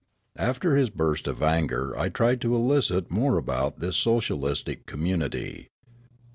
After his burst of anger I tried to elicit more about this socialistic community.